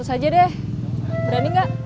seratus aja deh berani gak